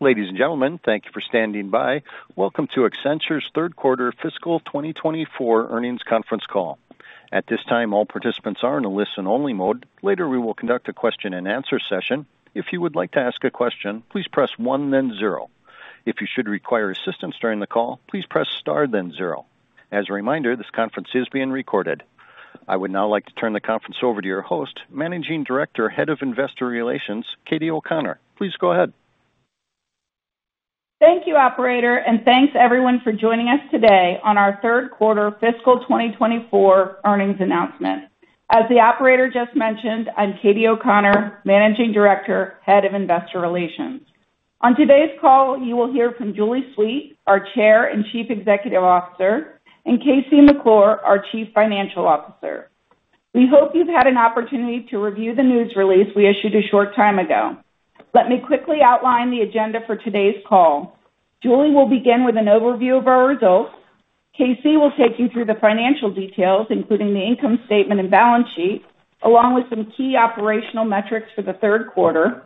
Ladies and gentlemen, thank you for standing by. Welcome to Accenture's third quarter fiscal 2024 earnings conference call. At this time, all participants are in a listen-only mode. Later, we will conduct a question-and-answer session. If you would like to ask a question, please press one, then zero. If you should require assistance during the call, please press star, then zero. As a reminder, this conference is being recorded. I would now like to turn the conference over to your host, Managing Director, Head of Investor Relations, Katie O'Conor. Please go ahead. Thank you, Operator, and thanks everyone for joining us today on our third quarter fiscal 2024 earnings announcement. As the Operator just mentioned, I'm Katie O'Conor, Managing Director, Head of Investor Relations. On today's call, you will hear from Julie Sweet, our Chair and Chief Executive Officer, and KC McClure, our Chief Financial Officer. We hope you've had an opportunity to review the news release we issued a short time ago. Let me quickly outline the agenda for today's call. Julie will begin with an overview of our results. KC will take you through the financial details, including the income statement and balance sheet, along with some key operational metrics for the third quarter.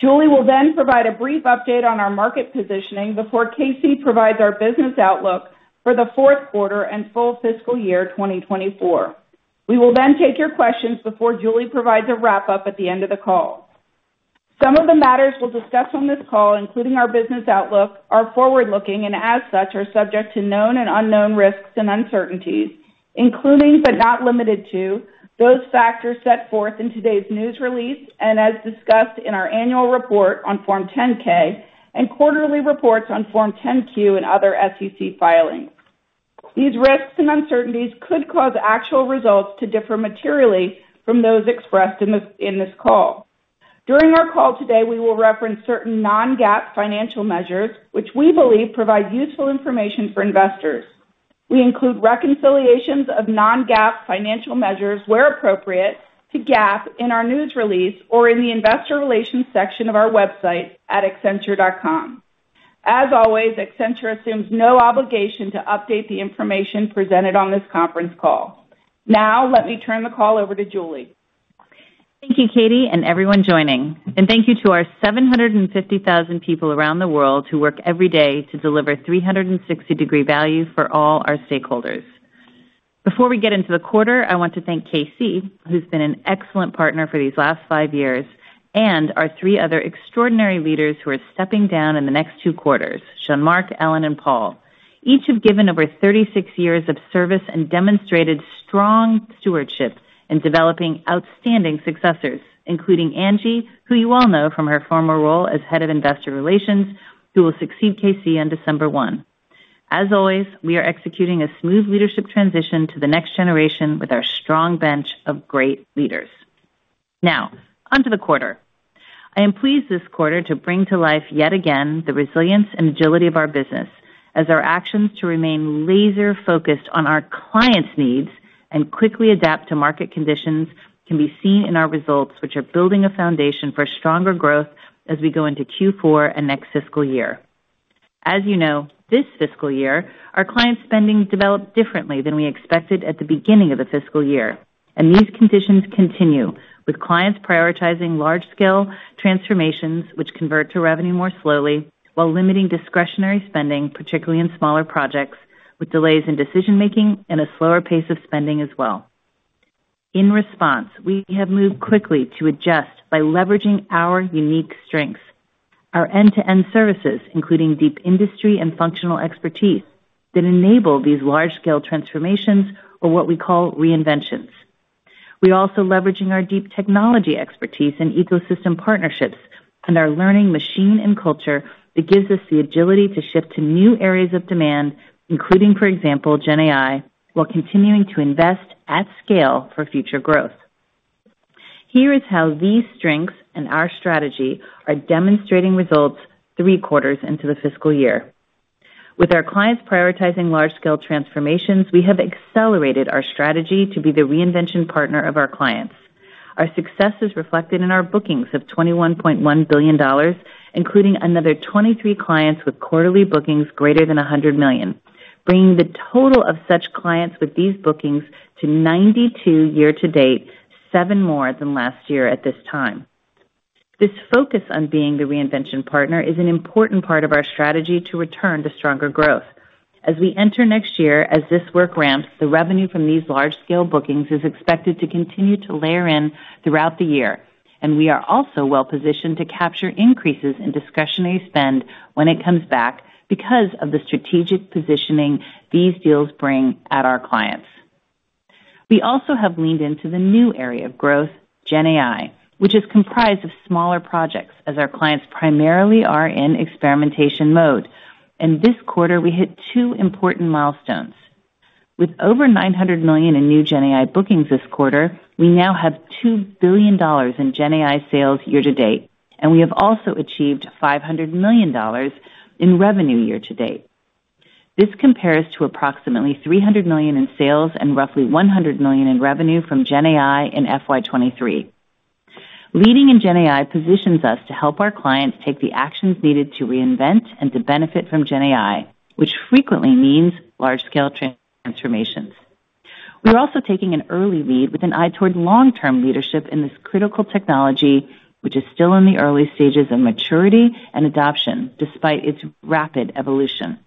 Julie will then provide a brief update on our market positioning before KC provides our business outlook for the fourth quarter and full fiscal year 2024. We will then take your questions before Julie provides a wrap-up at the end of the call. Some of the matters we'll discuss on this call, including our business outlook, are forward-looking and, as such, are subject to known and unknown risks and uncertainties, including but not limited to those factors set forth in today's news release and, as discussed in our annual report on Form 10-K and quarterly reports on Form 10-Q and other SEC filings. These risks and uncertainties could cause actual results to differ materially from those expressed in this call. During our call today, we will reference certain non-GAAP financial measures, which we believe provide useful information for investors. We include reconciliations of non-GAAP financial measures where appropriate to GAAP in our news release or in the investor relations section of our website at Accenture.com. As always, Accenture assumes no obligation to update the information presented on this conference call. Now, let me turn the call over to Julie. Thank you, Katie, and everyone joining. Thank you to our 750,000 people around the world who work every day to deliver 360-degree value for all our stakeholders. Before we get into the quarter, I want to thank KC, who's been an excellent partner for these last five years, and our three other extraordinary leaders who are stepping down in the next two quarters: Jean-Marc, Ellen, and Paul. Each have given over 36 years of service and demonstrated strong stewardship in developing outstanding successors, including Angie, who you all know from her former role as Head of Investor Relations, who will succeed KC on December 1. As always, we are executing a smooth leadership transition to the next generation with our strong bench of great leaders. Now, onto the quarter. I am pleased this quarter to bring to life yet again the resilience and agility of our business, as our actions to remain laser-focused on our clients' needs and quickly adapt to market conditions can be seen in our results, which are building a foundation for stronger growth as we go into Q4 and next fiscal year. As you know, this fiscal year, our clients' spending developed differently than we expected at the beginning of the fiscal year, and these conditions continue, with clients prioritizing large-scale transformations, which convert to revenue more slowly, while limiting discretionary spending, particularly in smaller projects, with delays in decision-making and a slower pace of spending as well. In response, we have moved quickly to adjust by leveraging our unique strengths, our end-to-end services, including deep industry and functional expertise that enable these large-scale transformations or what we call reinventions. We are also leveraging our deep technology expertise and ecosystem partnerships and our learning machine and culture that gives us the agility to shift to new areas of demand, including, for example, GenAI, while continuing to invest at scale for future growth. Here is how these strengths and our strategy are demonstrating results 3 quarters into the fiscal year. With our clients prioritizing large-scale transformations, we have accelerated our strategy to be the reinvention partner of our clients. Our success is reflected in our bookings of $21.1 billion, including another 23 clients with quarterly bookings greater than $100 million, bringing the total of such clients with these bookings to 92 year-to-date, 7 more than last year at this time. This focus on being the reinvention partner is an important part of our strategy to return to stronger growth. As we enter next year, as this work ramps, the revenue from these large-scale bookings is expected to continue to layer in throughout the year, and we are also well-positioned to capture increases in discretionary spend when it comes back because of the strategic positioning these deals bring at our clients. We also have leaned into the new area of growth, GenAI, which is comprised of smaller projects, as our clients primarily are in experimentation mode. In this quarter, we hit two important milestones. With over $900 million in new GenAI bookings this quarter, we now have $2 billion in GenAI sales year-to-date, and we have also achieved $500 million in revenue year-to-date. This compares to approximately $300 million in sales and roughly $100 million in revenue from GenAI in FY 2023. Leading in GenAI positions us to help our clients take the actions needed to reinvent and to benefit from GenAI, which frequently means large-scale transformations. We are also taking an early lead with an eye toward long-term leadership in this critical technology, which is still in the early stages of maturity and adoption despite its rapid evolution.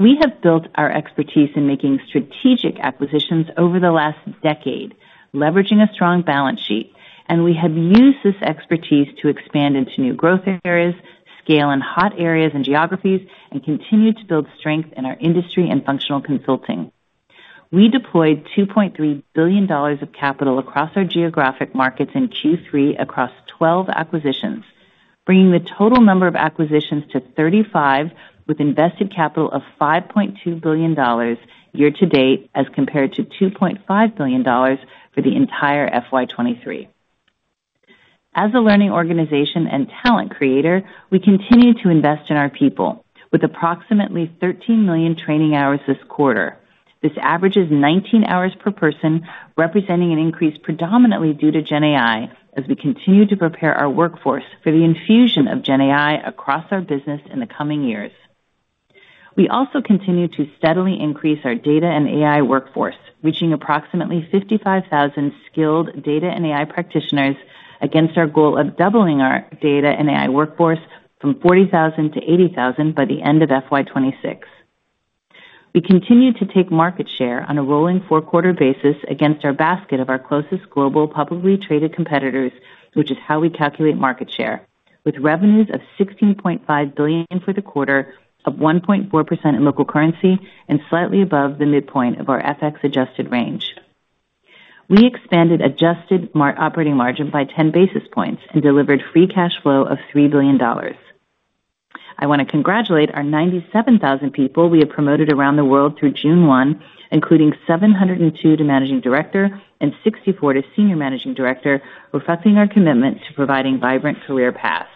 We have built our expertise in making strategic acquisitions over the last decade, leveraging a strong balance sheet, and we have used this expertise to expand into new growth areas, scale in hot areas and geographies, and continue to build strength in our industry and functional consulting. We deployed $2.3 billion of capital across our geographic markets in Q3 across 12 acquisitions, bringing the total number of acquisitions to 35, with invested capital of $5.2 billion year-to-date as compared to $2.5 billion for the entire FY 2023. As a learning organization and talent creator, we continue to invest in our people, with approximately 13 million training hours this quarter. This averages 19 hours per person, representing an increase predominantly due to GenAI as we continue to prepare our workforce for the infusion of GenAI across our business in the coming years. We also continue to steadily increase our data and AI workforce, reaching approximately 55,000 skilled data and AI practitioners against our goal of doubling our data and AI workforce from 40,000 to 80,000 by the end of FY 2026. We continue to take market share on a rolling four-quarter basis against our basket of our closest global publicly traded competitors, which is how we calculate market share, with revenues of $16.5 billion for the quarter, up 1.4% in local currency, and slightly above the midpoint of our FX-adjusted range. We expanded adjusted operating margin by 10 basis points and delivered free cash flow of $3 billion. I want to congratulate our 97,000 people we have promoted around the world through June 1, including 702 to Managing Director and 64 to Senior Managing Director, reflecting our commitment to providing vibrant career paths.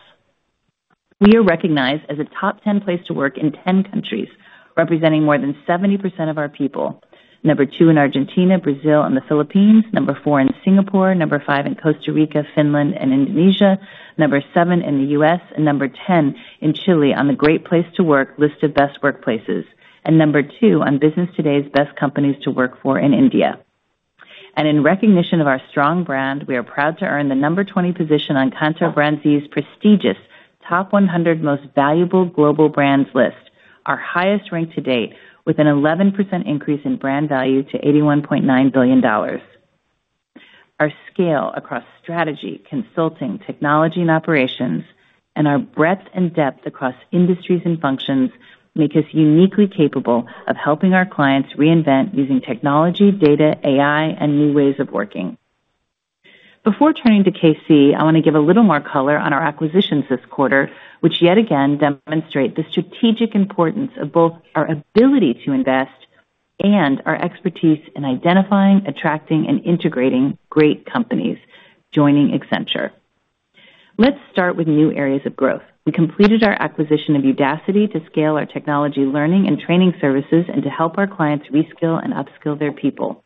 We are recognized as a top 10 place to work in 10 countries, representing more than 70% of our people: number 2 in Argentina, Brazil, and the Philippines, number 4 in Singapore, number 5 in Costa Rica, Finland, and Indonesia, number 7 in the U.S., and number 10 in Chile on the Great Place to Work list of best workplaces, and number 2 on Business Today's best companies to work for in India. In recognition of our strong brand, we are proud to earn the 20 position on Kantar BrandZ's prestigious top 100 most valuable global brands list, our highest rank to date, with an 11% increase in brand value to $81.9 billion. Our scale across strategy, consulting, technology, and operations, and our breadth and depth across industries and functions make us uniquely capable of helping our clients reinvent using technology, data, AI, and new ways of working. Before turning to KC, I want to give a little more color on our acquisitions this quarter, which yet again demonstrate the strategic importance of both our ability to invest and our expertise in identifying, attracting, and integrating great companies joining Accenture. Let's start with new areas of growth. We completed our acquisition of Udacity to scale our technology learning and training services and to help our clients reskill and upskill their people.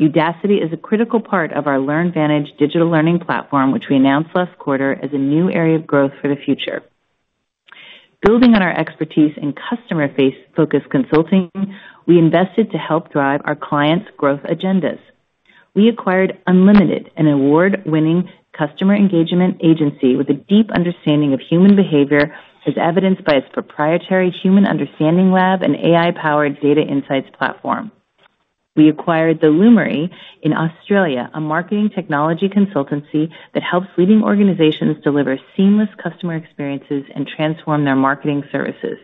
Udacity is a critical part of our LearnVantage digital learning platform, which we announced last quarter as a new area of growth for the future. Building on our expertise in customer-focused consulting, we invested to help drive our clients' growth agendas. We acquired Unlimited, an award-winning customer engagement agency with a deep understanding of human behavior, as evidenced by its proprietary human understanding lab and AI-powered data insights platform. We acquired The Lumery in Australia, a marketing technology consultancy that helps leading organizations deliver seamless customer experiences and transform their marketing services.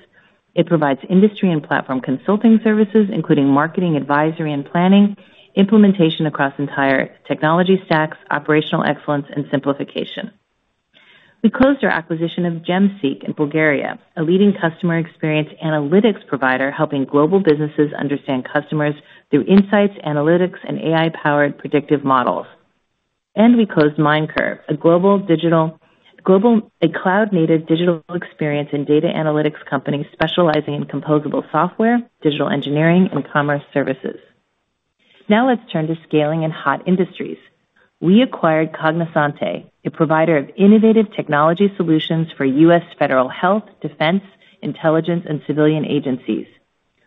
It provides industry and platform consulting services, including marketing, advisory, and planning implementation across entire technology stacks, operational excellence, and simplification. We closed our acquisition of GemSeek in Bulgaria, a leading customer experience analytics provider helping global businesses understand customers through insights, analytics, and AI-powered predictive models. And we closed Mindcurv, a global digital cloud-native digital experience and data analytics company specializing in composable software, digital engineering, and commerce services. Now let's turn to scaling in hot industries. We acquired Cognosante, a provider of innovative technology solutions for U.S. federal health, defense, intelligence, and civilian agencies.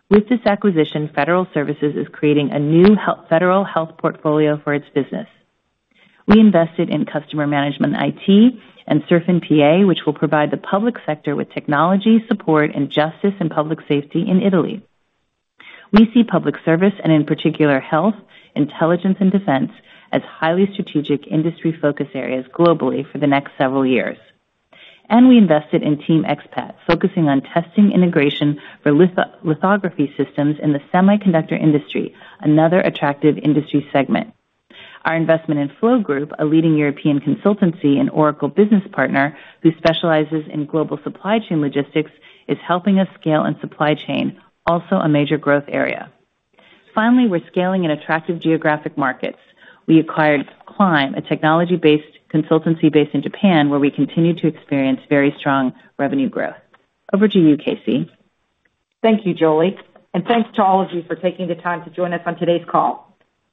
With this acquisition, Federal Services is creating a new federal health portfolio for its business. We invested in Customer Management IT and SirfinPA, which will provide the public sector with technology, support, and justice and public safety in Italy. We see public service and, in particular, health, intelligence, and defense as highly strategic industry-focused areas globally for the next several years. And we invested in Teamexpat, focusing on testing integration for lithography systems in the semiconductor industry, another attractive industry segment. Our investment in Flo Group, a leading European consultancy and Oracle business partner who specializes in global supply chain logistics, is helping us scale in supply chain, also a major growth area. Finally, we're scaling in attractive geographic markets. We acquired CLIMB, a technology-based consultancy based in Japan, where we continue to experience very strong revenue growth. Over to you, KC. Thank you, Julie. Thanks to all of you for taking the time to join us on today's call.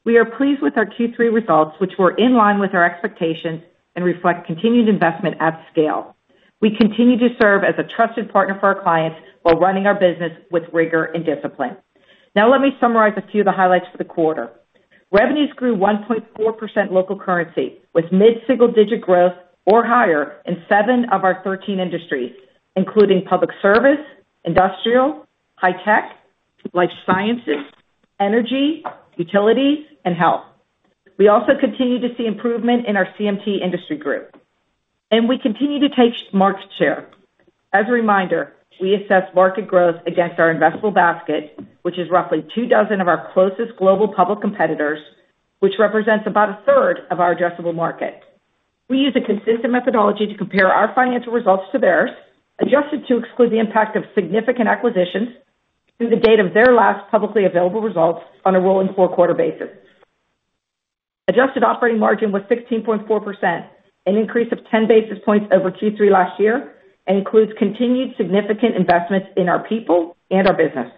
We are pleased with our Q3 results, which were in line with our expectations and reflect continued investment at scale. We continue to serve as a trusted partner for our clients while running our business with rigor and discipline. Now let me summarize a few of the highlights for the quarter. Revenues grew 1.4% local currency, with mid-single-digit growth or higher in seven of our 13 industries, including public service, industrial, high-tech, life sciences, energy, utilities, and health. We also continue to see improvement in our CMT industry group. We continue to take market share. As a reminder, we assess market growth against our investable basket, which is roughly two dozen of our closest global public competitors, which represents about 1/3 of our addressable market. We use a consistent methodology to compare our financial results to theirs, adjusted to exclude the impact of significant acquisitions to the date of their last publicly available results on a rolling four-quarter basis. Adjusted operating margin was 16.4%, an increase of 10 basis points over Q3 last year, and includes continued significant investments in our people and our business.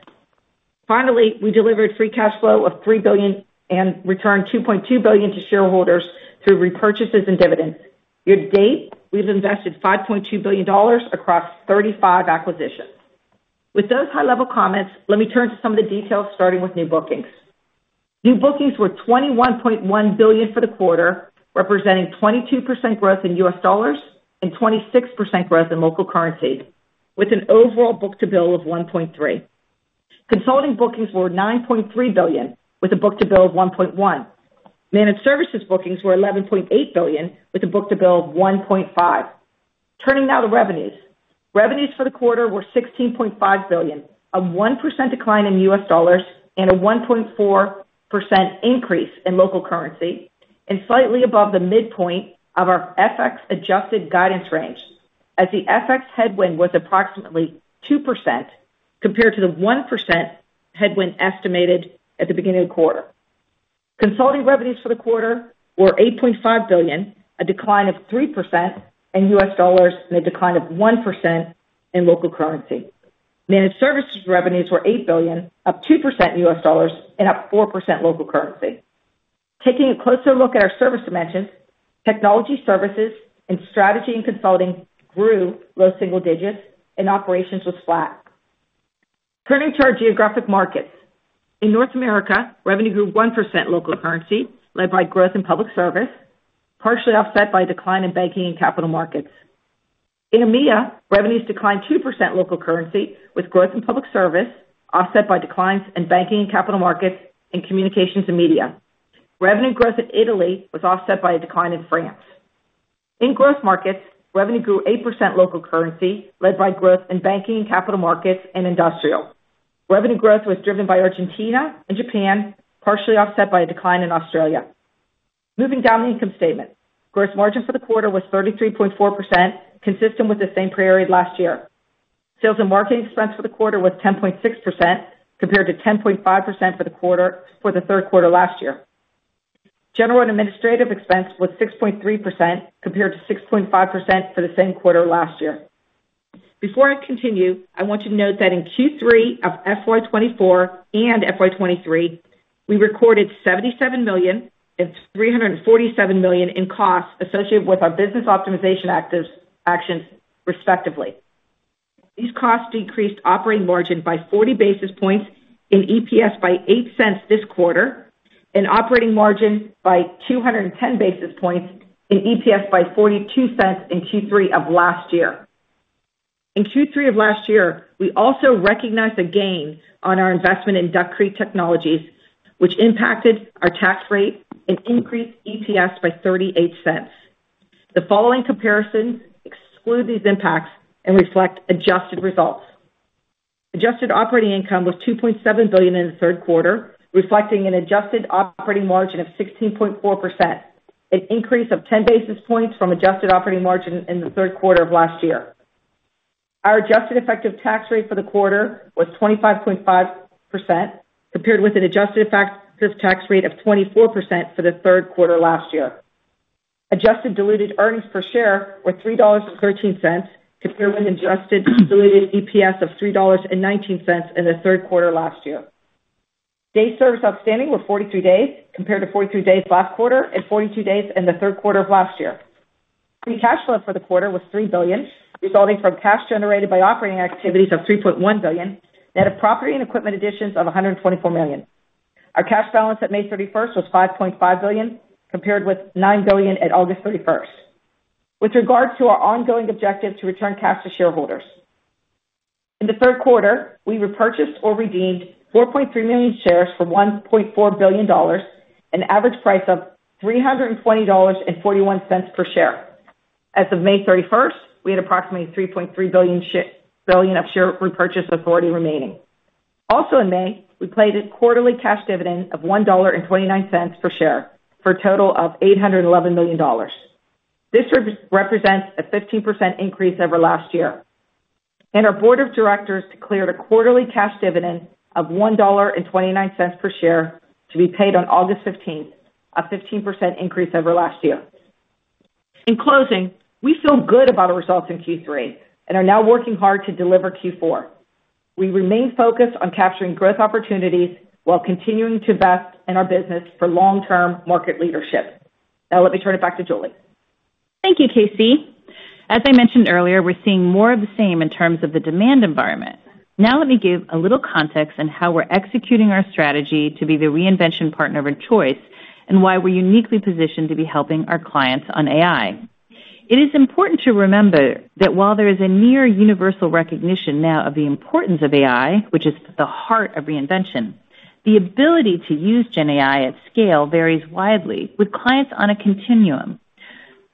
Finally, we delivered free cash flow of $3 billion and returned $2.2 billion to shareholders through repurchases and dividends. Year-to-date, we've invested $5.2 billion across 35 acquisitions. With those high-level comments, let me turn to some of the details, starting with new bookings. New bookings were $21.1 billion for the quarter, representing 22% growth in U.S. dollars and 26% growth in local currency, with an overall book-to-bill of 1.3. Consulting bookings were $9.3 billion, with a book-to-bill of 1.1. Managed services bookings were $11.8 billion, with a book-to-bill of 1.5. Turning now to revenues. Revenues for the quarter were $16.5 billion, a 1% decline in U.S. dollars and a 1.4% increase in local currency, and slightly above the midpoint of our FX-adjusted guidance range, as the FX headwind was approximately 2% compared to the 1% headwind estimated at the beginning of the quarter. Consulting revenues for the quarter were $8.5 billion, a decline of 3% in U.S. dollars, and a decline of 1% in local currency. Managed services revenues were $8 billion, up 2% in U.S. dollars and up 4% in local currency. Taking a closer look at our service dimensions, technology services and strategy and consulting grew low single digits, and operations was flat. Turning to our geographic markets. In North America, revenue grew 1% local currency, led by growth in public service, partially offset by a decline in banking and capital markets. In EMEA, revenues declined 2% local currency, with growth in public service, offset by declines in banking and capital markets and communications and media. Revenue growth in Italy was offset by a decline in France. In growth markets, revenue grew 8% local currency, led by growth in banking and capital markets and industrial. Revenue growth was driven by Argentina and Japan, partially offset by a decline in Australia. Moving down the income statement, gross margin for the quarter was 33.4%, consistent with the same period last year. Sales and marketing expense for the quarter was 10.6% compared to 10.5% for the third quarter last year. General and administrative expense was 6.3% compared to 6.5% for the same quarter last year. Before I continue, I want you to note that in Q3 of FY 2024 and FY 2023, we recorded $77 million and $347 million in costs associated with our business optimization actions, respectively. These costs decreased operating margin by 40 basis points and EPS by $0.08 this quarter and operating margin by 210 basis points and EPS by $0.42 in Q3 of last year. In Q3 of last year, we also recognized a gain on our investment in Duck Creek Technologies, which impacted our tax rate and increased EPS by $0.38. The following comparisons exclude these impacts and reflect adjusted results. Adjusted operating income was $2.7 billion in the third quarter, reflecting an adjusted operating margin of 16.4%, an increase of 10 basis points from adjusted operating margin in the third quarter of last year. Our adjusted effective tax rate for the quarter was 25.5%, compared with an adjusted effective tax rate of 24% for the third quarter last year. Adjusted diluted earnings per share were $3.13, compared with an adjusted diluted EPS of $3.19 in the third quarter last year. Days service outstanding were 43 days, compared to 43 days last quarter and 42 days in the third quarter of last year. Free cash flow for the quarter was $3 billion, resulting from cash generated by operating activities of $3.1 billion, and property and equipment additions of $124 million. Our cash balance at May 31st was $5.5 billion, compared with $9 billion at August 31st. With regard to our ongoing objective to return cash to shareholders, in the third quarter, we repurchased or redeemed 4.3 million shares for $1.4 billion, an average price of $320.41 per share. As of May 31st, we had approximately $3.3 billion of share repurchase authority remaining. Also in May, we paid a quarterly cash dividend of $1.29 per share for a total of $811 million. This represents a 15% increase over last year. Our board of directors declared a quarterly cash dividend of $1.29 per share to be paid on August 15th, a 15% increase over last year. In closing, we feel good about our results in Q3 and are now working hard to deliver Q4. We remain focused on capturing growth opportunities while continuing to invest in our business for long-term market leadership. Now let me turn it back to Julie. Thank you, KC. As I mentioned earlier, we're seeing more of the same in terms of the demand environment. Now let me give a little context on how we're executing our strategy to be the reinvention partner of choice and why we're uniquely positioned to be helping our clients on AI. It is important to remember that while there is a near universal recognition now of the importance of AI, which is the heart of reinvention, the ability to use GenAI at scale varies widely with clients on a continuum,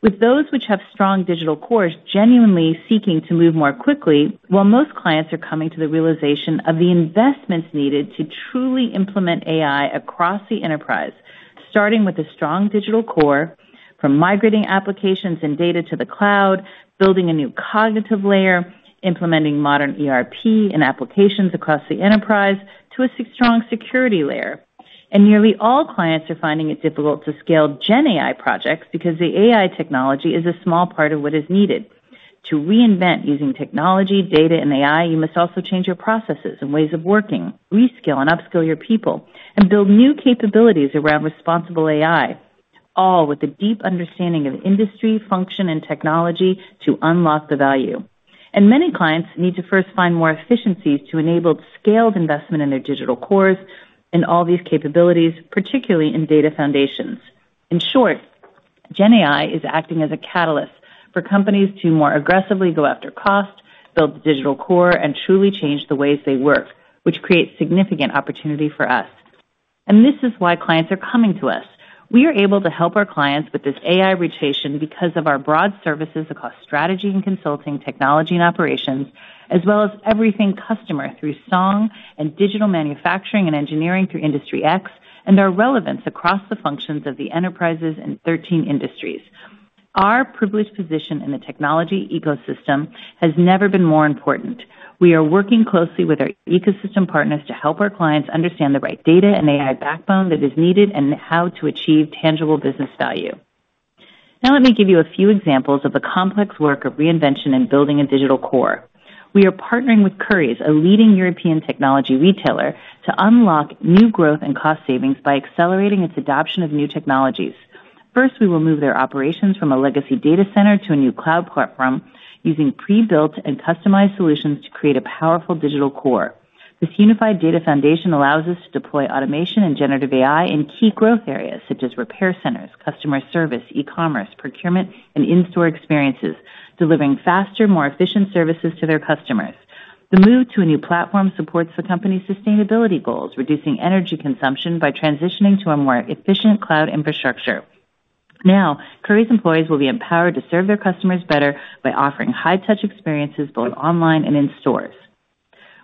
with those which have strong digital cores genuinely seeking to move more quickly, while most clients are coming to the realization of the investments needed to truly implement AI across the enterprise, starting with a strong digital core from migrating applications and data to the cloud, building a new cognitive layer, implementing modern ERP and applications across the enterprise to a strong security layer. And nearly all clients are finding it difficult to scale GenAI projects because the AI technology is a small part of what is needed. To reinvent using technology, data, and AI, you must also change your processes and ways of working, reskill and upskill your people, and build new capabilities around responsible AI, all with a deep understanding of industry, function, and technology to unlock the value. Many clients need to first find more efficiencies to enable scaled investment in their digital cores and all these capabilities, particularly in data foundations. In short, GenAI is acting as a catalyst for companies to more aggressively go after cost, build the digital core, and truly change the ways they work, which creates significant opportunity for us. This is why clients are coming to us. We are able to help our clients with this AI rotation because of our broad services across strategy and consulting, technology and operations, as well as everything customer through Song and digital manufacturing and engineering through Industry X and our relevance across the functions of the enterprises and 13 industries. Our privileged position in the technology ecosystem has never been more important. We are working closely with our ecosystem partners to help our clients understand the right data and AI backbone that is needed and how to achieve tangible business value. Now let me give you a few examples of the complex work of reinvention and building a digital core. We are partnering with Currys, a leading European technology retailer, to unlock new growth and cost savings by accelerating its adoption of new technologies. First, we will move their operations from a legacy data center to a new cloud platform using pre-built and customized solutions to create a powerful digital core. This unified data foundation allows us to deploy automation and generative AI in key growth areas such as repair centers, customer service, e-commerce, procurement, and in-store experiences, delivering faster, more efficient services to their customers. The move to a new platform supports the company's sustainability goals, reducing energy consumption by transitioning to a more efficient cloud infrastructure. Now, Currys employees will be empowered to serve their customers better by offering high-touch experiences both online and in stores.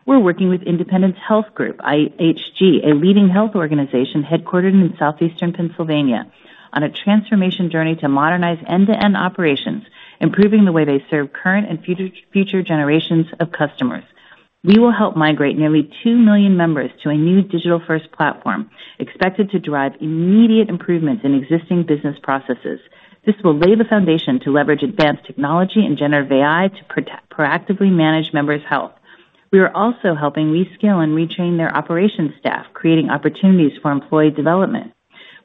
We're working with Independence Health Group, IHG, a leading health organization headquartered in southeastern Pennsylvania, on a transformation journey to modernize end-to-end operations, improving the way they serve current and future generations of customers. We will help migrate nearly 2 million members to a new digital-first platform expected to drive immediate improvements in existing business processes. This will lay the foundation to leverage advanced technology and generative AI to proactively manage members' health. We are also helping reskill and retrain their operations staff, creating opportunities for employee development.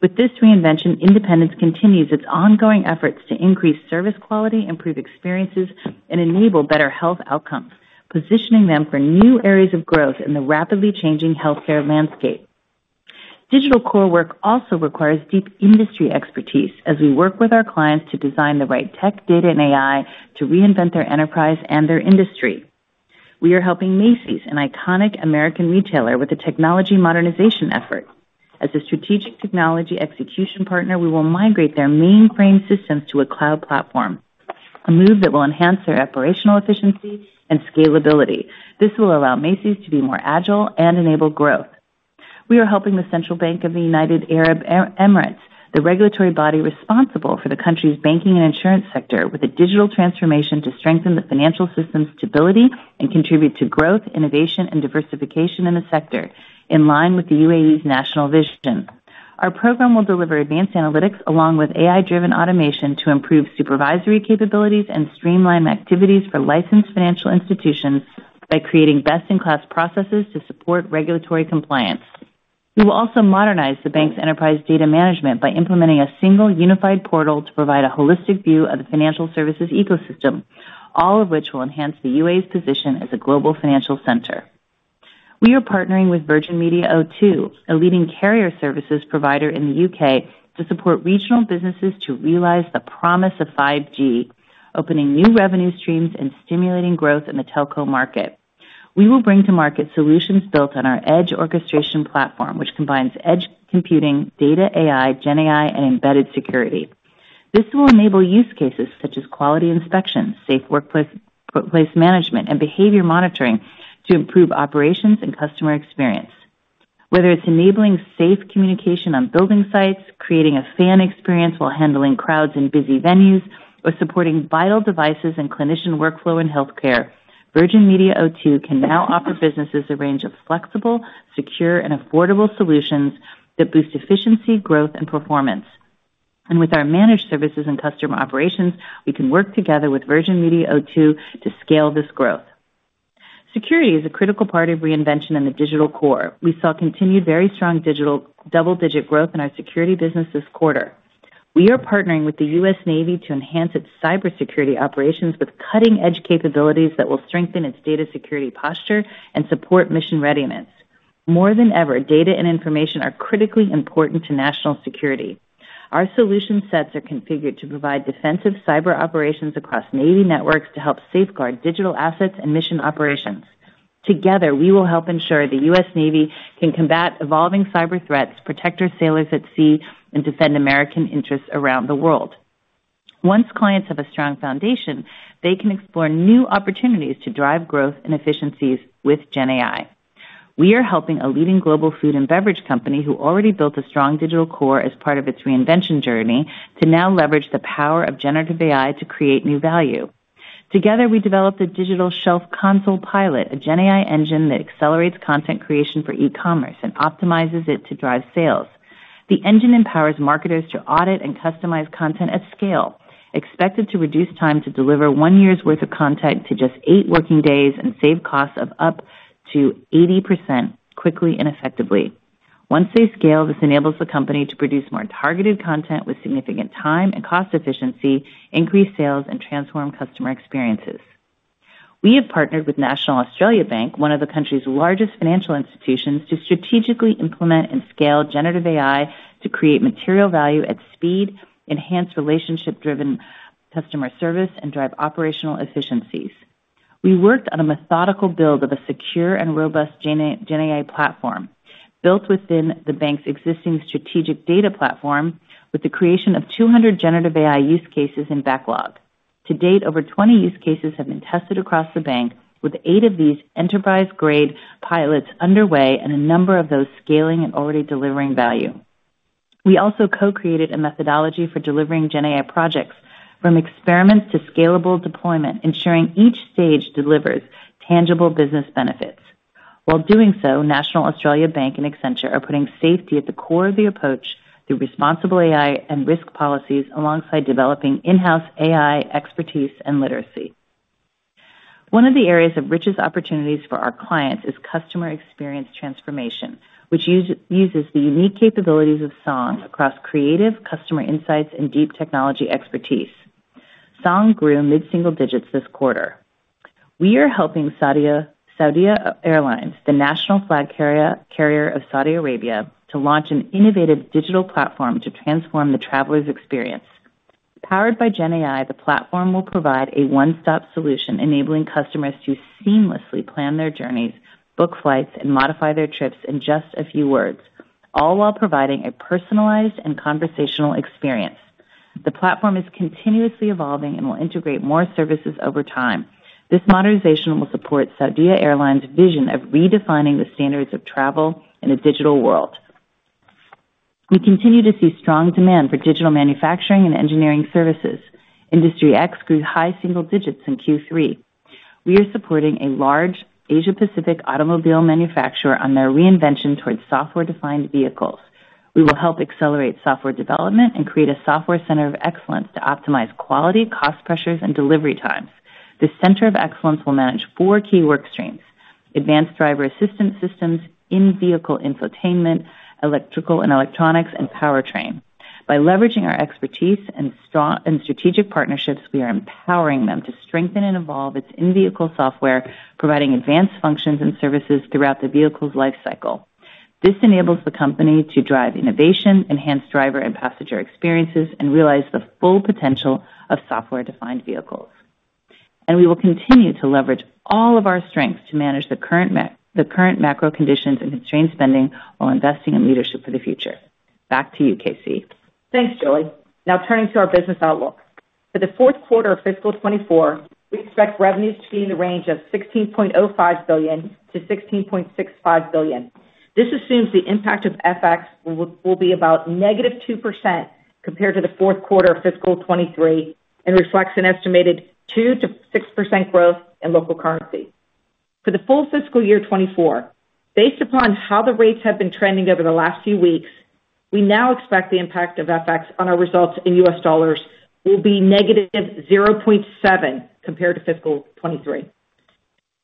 With this reinvention, Independence continues its ongoing efforts to increase service quality, improve experiences, and enable better health outcomes, positioning them for new areas of growth in the rapidly changing healthcare landscape. Digital core work also requires deep industry expertise as we work with our clients to design the right tech, data, and AI to reinvent their enterprise and their industry. We are helping Macy's, an iconic American retailer, with a technology modernization effort. As a strategic technology execution partner, we will migrate their mainframe systems to a cloud platform, a move that will enhance their operational efficiency and scalability. This will allow Macy's to be more agile and enable growth. We are helping the Central Bank of the United Arab Emirates, the regulatory body responsible for the country's banking and insurance sector, with a digital transformation to strengthen the financial system's stability and contribute to growth, innovation, and diversification in the sector in line with the UAE's national vision. Our program will deliver advanced analytics along with AI-driven automation to improve supervisory capabilities and streamline activities for licensed financial institutions by creating best-in-class processes to support regulatory compliance. We will also modernize the bank's enterprise data management by implementing a single unified portal to provide a holistic view of the financial services ecosystem, all of which will enhance the UAE's position as a global financial center. We are partnering with Virgin Media O2, a leading carrier services provider in the U.K., to support regional businesses to realize the promise of 5G, opening new revenue streams and stimulating growth in the telco market. We will bring to market solutions built on our edge orchestration platform, which combines edge computing, data, AI, GenAI, and embedded security. This will enable use cases such as quality inspections, safe workplace management, and behavior monitoring to improve operations and customer experience. Whether it's enabling safe communication on building sites, creating a fan experience while handling crowds in busy venues, or supporting vital devices and clinician workflow in healthcare, Virgin Media O2 can now offer businesses a range of flexible, secure, and affordable solutions that boost efficiency, growth, and performance. With our managed services and customer operations, we can work together with Virgin Media O2 to scale this growth. Security is a critical part of reinvention in the digital core. We saw continued very strong digital double-digit growth in our security business this quarter. We are partnering with the U.S. Navy to enhance its cybersecurity operations with cutting-edge capabilities that will strengthen its data security posture and support mission readiness. More than ever, data and information are critically important to national security. Our solution sets are configured to provide defensive cyber operations across Navy networks to help safeguard digital assets and mission operations. Together, we will help ensure the U.S. Navy can combat evolving cyber threats, protect our sailors at sea, and defend American interests around the world. Once clients have a strong foundation, they can explore new opportunities to drive growth and efficiencies with GenAI. We are helping a leading global food and beverage company who already built a strong digital core as part of its reinvention journey to now leverage the power of generative AI to create new value. Together, we developed a digital shelf console pilot, a GenAI engine that accelerates content creation for e-commerce and optimizes it to drive sales. The engine empowers marketers to audit and customize content at scale, expected to reduce time to deliver one year's worth of content to just eight working days and save costs of up to 80% quickly and effectively. Once they scale, this enables the company to produce more targeted content with significant time and cost efficiency, increase sales, and transform customer experiences. We have partnered with National Australia Bank, one of the country's largest financial institutions, to strategically implement and scale generative AI to create material value at speed, enhance relationship-driven customer service, and drive operational efficiencies. We worked on a methodical build of a secure and robust GenAI platform built within the bank's existing strategic data platform with the creation of 200 generative AI use cases in backlog. To date, over 20 use cases have been tested across the bank, with 8 of these enterprise-grade pilots underway and a number of those scaling and already delivering value. We also co-created a methodology for delivering GenAI projects from experiments to scalable deployment, ensuring each stage delivers tangible business benefits. While doing so, National Australia Bank and Accenture are putting safety at the core of the approach through responsible AI and risk policies alongside developing in-house AI expertise and literacy. One of the areas of richest opportunities for our clients is customer experience transformation, which uses the unique capabilities of Song across creative customer insights and deep technology expertise. Song grew mid-single digits this quarter. We are helping Saudia, the national flag carrier of Saudi Arabia, to launch an innovative digital platform to transform the traveler's experience. Powered by GenAI, the platform will provide a one-stop solution enabling customers to seamlessly plan their journeys, book flights, and modify their trips in just a few words, all while providing a personalized and conversational experience. The platform is continuously evolving and will integrate more services over time. This modernization will support Saudia's vision of redefining the standards of travel in a digital world. We continue to see strong demand for digital manufacturing and engineering services. Industry X grew high single digits in Q3. We are supporting a large Asia-Pacific automobile manufacturer on their reinvention towards software-defined vehicles. We will help accelerate software development and create a software center of excellence to optimize quality, cost pressures, and delivery times. The center of excellence will manage four key work streams: advanced driver assistance systems, in-vehicle infotainment, electrical and electronics, and powertrain. By leveraging our expertise and strategic partnerships, we are empowering them to strengthen and evolve its in-vehicle software, providing advanced functions and services throughout the vehicle's lifecycle. This enables the company to drive innovation, enhance driver and passenger experiences, and realize the full potential of software-defined vehicles. We will continue to leverage all of our strengths to manage the current macro conditions and constrained spending while investing in leadership for the future. Back to you, KC. Thanks, Julie. Now turning to our business outlook. For the fourth quarter of fiscal 2024, we expect revenues to be in the range of $16.05 billion-$16.65 billion. This assumes the impact of FX will be about -2% compared to the fourth quarter of fiscal 2023 and reflects an estimated 2%-6% growth in local currency. For the full fiscal year 2024, based upon how the rates have been trending over the last few weeks, we now expect the impact of FX on our results in U.S. dollars will be negative 0.7% compared to fiscal 2023.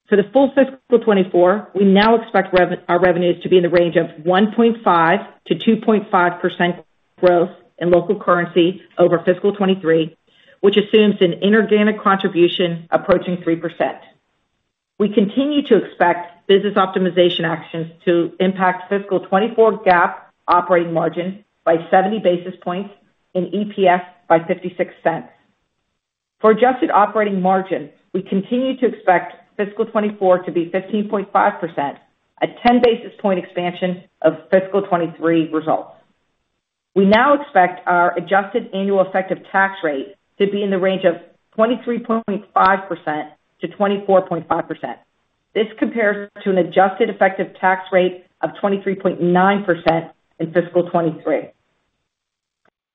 For the full fiscal 2024, we now expect our revenues to be in the range of 1.5%-2.5% growth in local currency over fiscal 2023, which assumes an inorganic contribution approaching 3%. We continue to expect business optimization actions to impact fiscal 2024 GAAP operating margin by 70 basis points and EPS by $0.56. For adjusted operating margin, we continue to expect fiscal 2024 to be 15.5%, a 10 basis point expansion of fiscal 2023 results. We now expect our adjusted annual effective tax rate to be in the range of 23.5%-24.5%. This compares to an adjusted effective tax rate of 23.9% in fiscal 2023.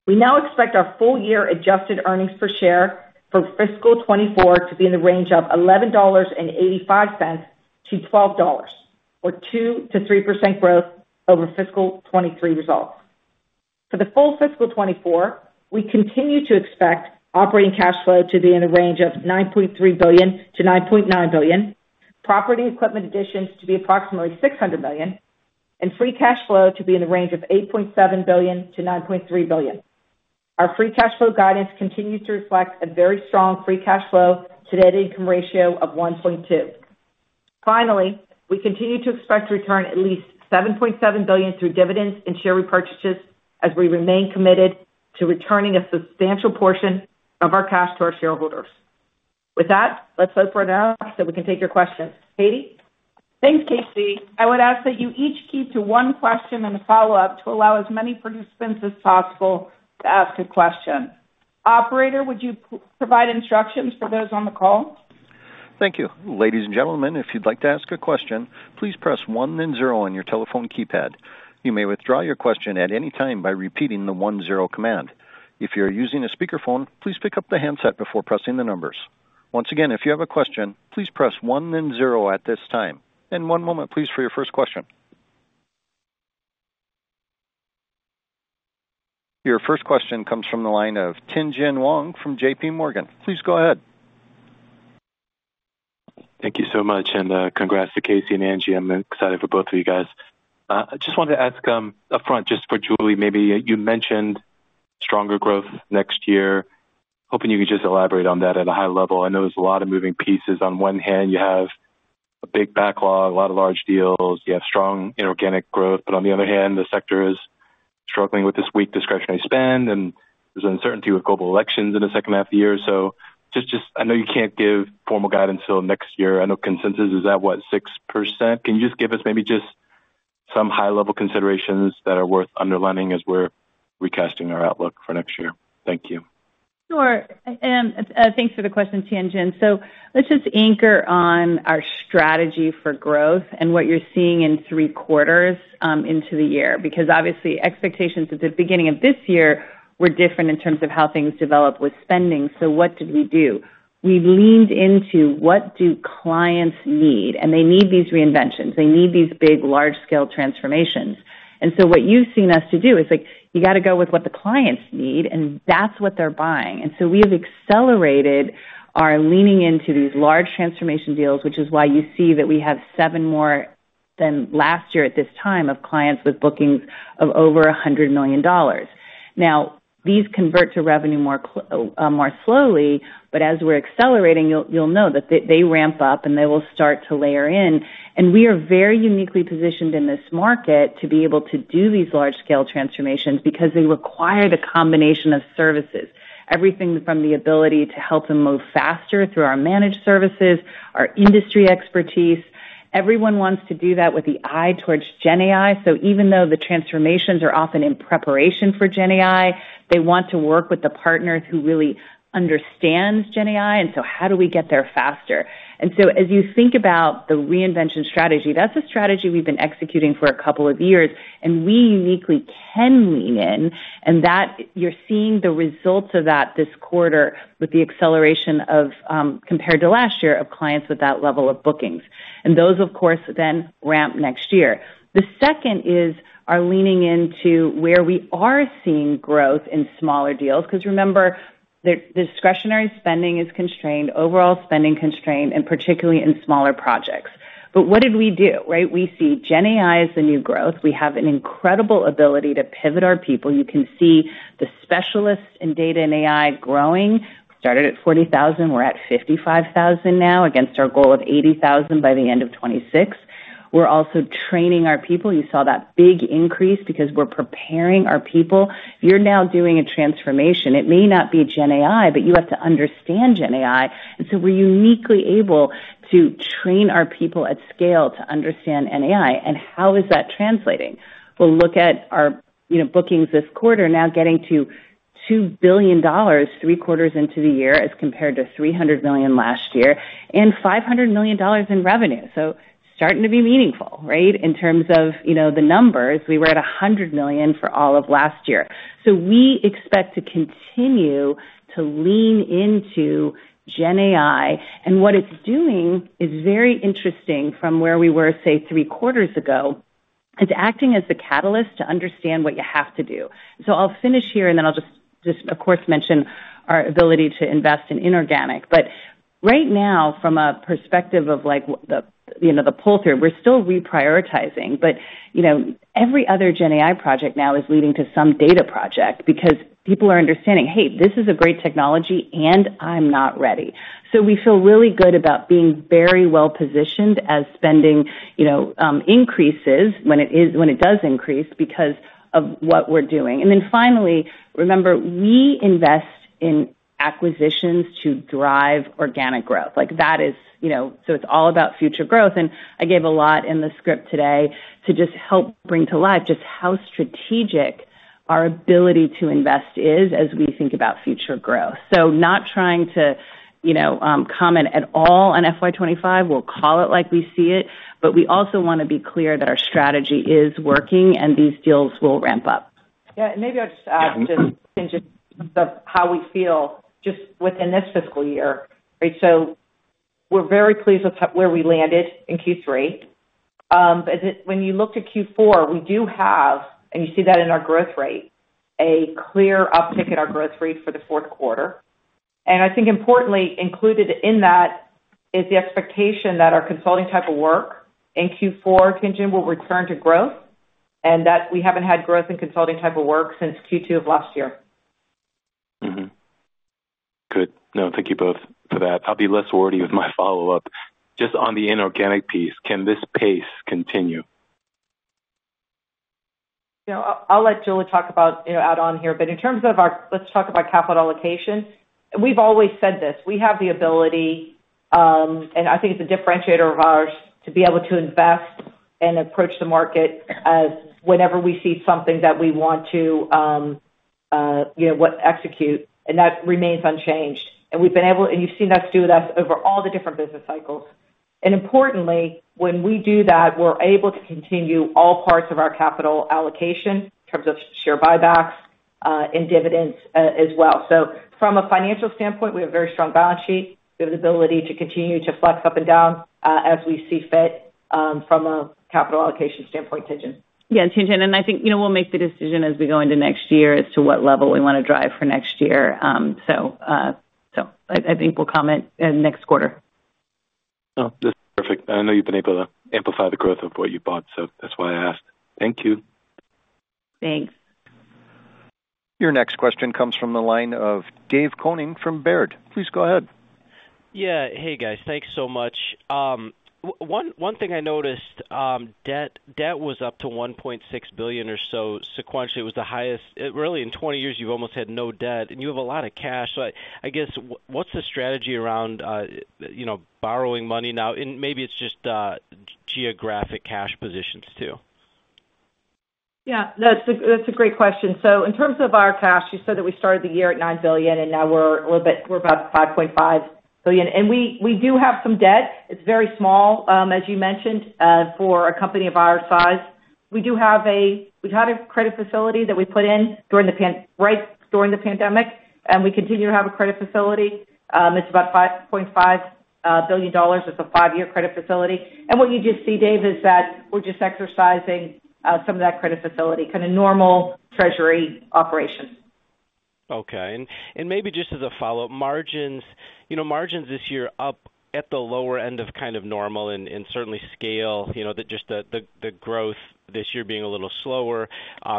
We now expect our full-year adjusted earnings per share for fiscal 2024 to be in the range of $11.85-$12.00, or 2%-3% growth over fiscal 2023 results. For the full fiscal 2024, we continue to expect operating cash flow to be in the range of $9.3 billion-$9.9 billion, property equipment additions to be approximately $600 million, and free cash flow to be in the range of $8.7 billion-$9.3 billion. Our free cash flow guidance continues to reflect a very strong free cash flow to net income ratio of 1.2. Finally, we continue to expect to return at least $7.7 billion through dividends and share repurchases as we remain committed to returning a substantial portion of our cash to our shareholders. With that, let's open it up so we can take your questions. Katie? Thanks, KC. I would ask that you each keep to one question in the follow-up to allow as many participants as possible to ask a question. Operator, would you provide instructions for those on the call? Thank you. Ladies and gentlemen, if you'd like to ask a question, please press one then zero on your telephone keypad. You may withdraw your question at any time by repeating theone-zero command. If you're using a speakerphone, please pick up the handset before pressing the numbers. Once again, if you have a question, please press one then zero at this time. One moment, please, for your first question. Your first question comes from the line of Tien-Tsin Huang from J.P. Morgan. Please go ahead. Thank you so much, and congrats to KC and Angie. I'm excited for both of you guys. I just wanted to ask upfront just for Julie, maybe you mentioned stronger growth next year. Hoping you could just elaborate on that at a high level. I know there's a lot of moving pieces. On one hand, you have a big backlog, a lot of large deals. You have strong inorganic growth. But on the other hand, the sector is struggling with this weak discretionary spend, and there's uncertainty with global elections in the second half of the year. So I know you can't give formal guidance until next year. I know consensus is at what, 6%? Can you just give us maybe just some high-level considerations that are worth underlining as we're recasting our outlook for next year? Thank you. Sure. And thanks for the question, Tien-Tsin. So let's just anchor on our strategy for growth and what you're seeing in three quarters into the year. Because obviously, expectations at the beginning of this year were different in terms of how things develop with spending. So what did we do? We leaned into what do clients need? And they need these reinventions. They need these big, large-scale transformations. And so what you've seen us to do is you got to go with what the clients need, and that's what they're buying. And so we have accelerated our leaning into these large transformation deals, which is why you see that we have 7 more than last year at this time of clients with bookings of over $100 million. Now, these convert to revenue more slowly, but as we're accelerating, you'll know that they ramp up and they will start to layer in. And we are very uniquely positioned in this market to be able to do these large-scale transformations because they require the combination of services. Everything from the ability to help them move faster through our managed services, our industry expertise. Everyone wants to do that with an eye toward GenAI. So even though the transformations are often in preparation for GenAI, they want to work with the partners who really understand GenAI. And so how do we get there faster? And so as you think about the reinvention strategy, that's a strategy we've been executing for a couple of years, and we uniquely can lean in. And you're seeing the results of that this quarter with the acceleration compared to last year of clients with that level of bookings. And those, of course, then ramp next year. The second is our leaning into where we are seeing growth in smaller deals. Because remember, the discretionary spending is constrained, overall spending constrained, and particularly in smaller projects. But what did we do? We see GenAI is the new growth. We have an incredible ability to pivot our people. You can see the specialists in data and AI growing. We started at 40,000. We're at 55,000 now against our goal of 80,000 by the end of 2026. We're also training our people. You saw that big increase because we're preparing our people. You're now doing a transformation. It may not be GenAI, but you have to understand GenAI. So we're uniquely able to train our people at scale to understand GenAI. And how is that translating? We'll look at our bookings this quarter now getting to $2 billion three quarters into the year as compared to $300 million last year and $500 million in revenue. So starting to be meaningful in terms of the numbers. We were at $100 million for all of last year. So we expect to continue to lean into GenAI. And what it's doing is very interesting from where we were, say, three quarters ago. It's acting as the catalyst to understand what you have to do. So I'll finish here, and then I'll just, of course, mention our ability to invest in inorganic. But right now, from a perspective of the pull-through, we're still reprioritizing. But every other GenAI project now is leading to some data project because people are understanding, "Hey, this is a great technology, and I'm not ready." So we feel really good about being very well-positioned as spending increases when it does increase because of what we're doing. And then finally, remember, we invest in acquisitions to drive organic growth. So it's all about future growth. I gave a lot in the script today to just help bring to life just how strategic our ability to invest is as we think about future growth. Not trying to comment at all on FY 2025. We'll call it like we see it. But we also want to be clear that our strategy is working and these deals will ramp up. Yeah. Maybe I'll just add just in terms of how we feel just within this fiscal year. We're very pleased with where we landed in Q3. But when you look to Q4, we do have, and you see that in our growth rate, a clear uptick in our growth rate for the fourth quarter. I think importantly included in that is the expectation that our consulting type of work in Q4, Tien-Tsin, will return to growth. We haven't had growth in consulting type of work since Q2 of last year. Good. No, thank you both for that. I'll be less wordy with my follow-up. Just on the inorganic piece, can this pace continue? I'll let Julie talk about add on here. But in terms of our, let's talk about capital allocation. We've always said this. We have the ability, and I think it's a differentiator of ours, to be able to invest and approach the market whenever we see something that we want to execute. And that remains unchanged. And you've seen that through us over all the different business cycles. And importantly, when we do that, we're able to continue all parts of our capital allocation in terms of share buybacks and dividends as well. So from a financial standpoint, we have a very strong balance sheet. We have the ability to continue to flex up and down as we see fit from a capital allocation standpoint, Tien-Tsin. Yeah, Tien-Tsin. I think we'll make the decision as we go into next year as to what level we want to drive for next year. So I think we'll comment next quarter. No, this is perfect. I know you've been able to amplify the growth of what you bought, so that's why I asked. Thank you. Thanks. Your next question comes from the line of David Koning from Baird. Please go ahead. Yeah. Hey, guys. Thanks so much. One thing I noticed, debt was up to $1.6 billion or so sequentially. It was the highest. Really, in 20 years, you've almost had no debt. And you have a lot of cash. So I guess, what's the strategy around borrowing money now? Maybe it's just geographic cash positions too. Yeah. That's a great question. So in terms of our cash, you said that we started the year at $9 billion, and now we're about $5.5 billion. And we do have some debt. It's very small, as you mentioned, for a company of our size. We do have a we had a credit facility that we put in right during the pandemic. And we continue to have a credit facility. It's about $5.5 billion. It's a five-year credit facility. And what you just see, Dave, is that we're just exercising some of that credit facility, kind of normal treasury operations. Okay. And maybe just as a follow-up, margins this year up at the lower end of kind of normal. And certainly, scale, just the growth this year being a little slower,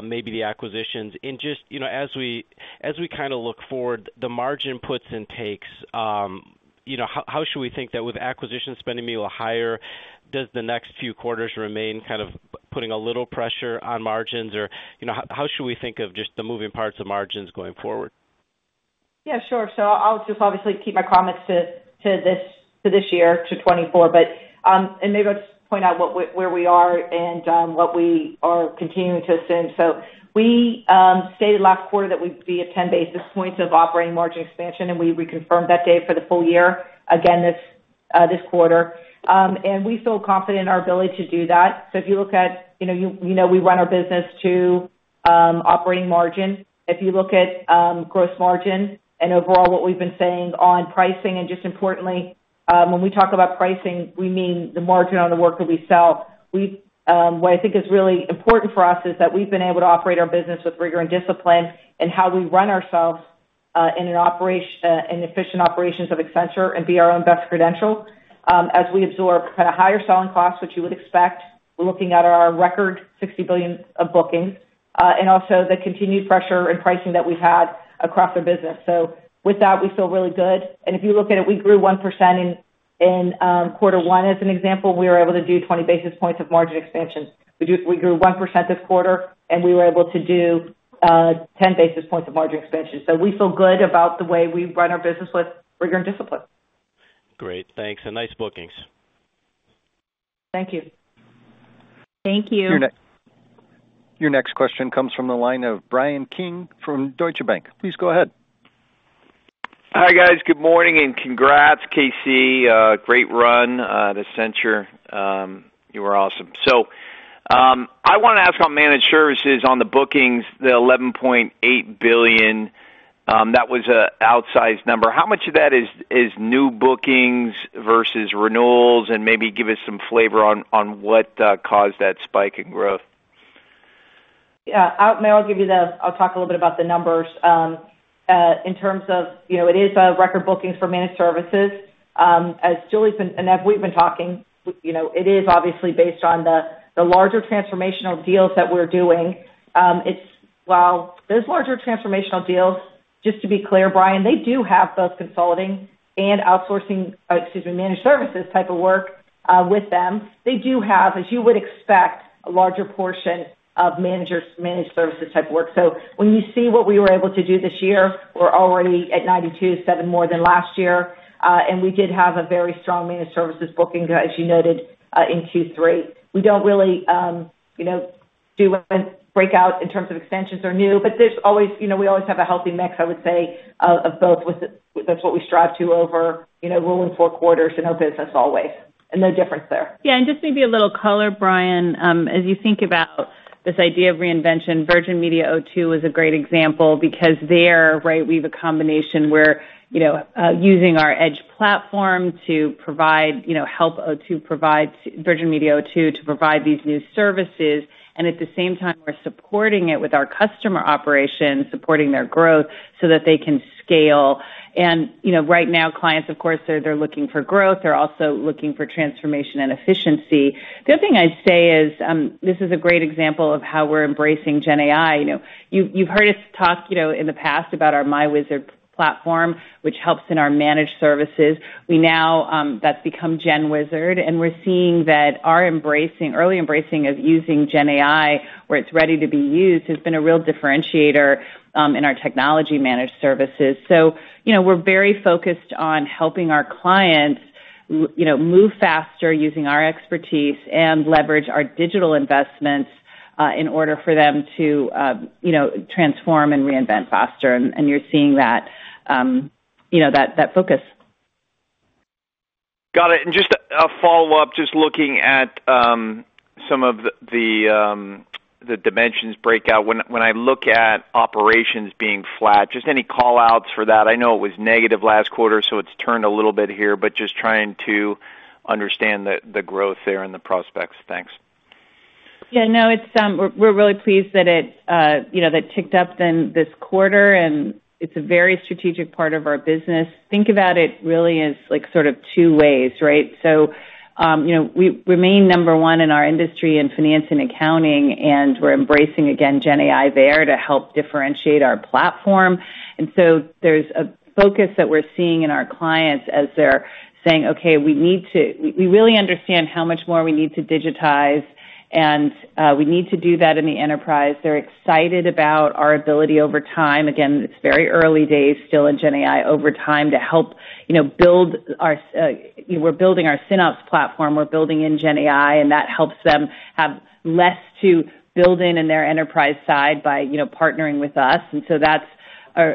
maybe the acquisitions. Just as we kind of look forward, the margin puts and takes, how should we think that with acquisition spending being a little higher, does the next few quarters remain kind of putting a little pressure on margins? Or how should we think of just the moving parts of margins going forward? Yeah, sure. I'll just obviously keep my comments to this year, to 2024. And maybe I'll just point out where we are and what we are continuing to assume. We stated last quarter that we'd be at 10 basis points of operating margin expansion, and we reconfirmed that, Dave, for the full year again this quarter. And we feel confident in our ability to do that. If you look at we run our business to operating margin. If you look at gross margin and overall what we've been saying on pricing. And just importantly, when we talk about pricing, we mean the margin on the work that we sell. What I think is really important for us is that we've been able to operate our business with rigor and discipline in how we run ourselves in efficient operations of Accenture and be our own best credential as we absorb kind of higher selling costs, which you would expect. We're looking at our record $60 billion of bookings, and also the continued pressure and pricing that we've had across our business. So with that, we feel really good. And if you look at it, we grew 1% in quarter one. As an example, we were able to do 20 basis points of margin expansion. We grew 1% this quarter, and we were able to do 10 basis points of margin expansion. So we feel good about the way we run our business with rigor and discipline. Great. Thanks. And nice bookings. Thank you. Thank you. Your next question comes from the line of Bryan Keane from Deutsche Bank. Please go ahead. Hi, guys. Good morning and congrats, KC. Great run at Accenture. You were awesome. So I want to ask on managed services on the bookings, the $11.8 billion. That was an outsized number. How much of that is new bookings versus renewals? And maybe give us some flavor on what caused that spike in growth. Yeah. Maybe I'll give you. I'll talk a little bit about the numbers. In terms of, it is record bookings for managed services. As Julie's been and as we've been talking, it is obviously based on the larger transformational deals that we're doing. While those larger transformational deals, just to be clear, Bryan, they do have both consulting and outsourcing excuse me, managed services type of work with them. They do have, as you would expect, a larger portion of managed services type of work. So when you see what we were able to do this year, we're already at 92.7 more than last year. And we did have a very strong managed services booking, as you noted, in Q3. We don't really do a breakout in terms of extensions or new. But we always have a healthy mix, I would say, of both. That's what we strive to over rolling four quarters and no business always. And no difference there. Yeah. And just maybe a little color, Bryan, as you think about this idea of reinvention. Virgin Media O2 is a great example because there, right, we have a combination where using our edge platform to help Virgin Media O2 to provide these new services. And at the same time, we're supporting it with our customer operations, supporting their growth so that they can scale. And right now, clients, of course, they're looking for growth. They're also looking for transformation and efficiency. The other thing I'd say is this is a great example of how we're embracing GenAI. You've heard us talk in the past about our myWizard platform, which helps in our managed services. That's become GenWizard. And we're seeing that our early embracing of using GenAI, where it's ready to be used, has been a real differentiator in our technology managed services So we're very focused on helping our clients move faster using our expertise and leverage our digital investments in order for them to transform and reinvent faster. And you're seeing that focus. Got it. And just a follow-up, just looking at some of the dimensions breakout. When I look at operations being flat, just any callouts for that? I know it was negative last quarter, so it's turned a little bit here. But just trying to understand the growth there and the prospects. Thanks. Yeah. No, we're really pleased that it ticked up this quarter. And it's a very strategic part of our business. Think about it really as sort of two ways, right? So we remain number one in our industry in finance and accounting. And we're embracing, again, GenAI there to help differentiate our platform. There's a focus that we're seeing in our clients as they're saying, "Okay, we really understand how much more we need to digitize. And we need to do that in the enterprise." They're excited about our ability over time. Again, it's very early days still in GenAI over time to help build our SynOps platform. We're building in GenAI. That helps them have less to build in their enterprise side by partnering with us. So that's,